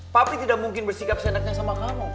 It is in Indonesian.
tapi tidak mungkin bersikap seenaknya sama kamu